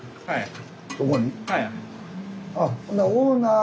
はい。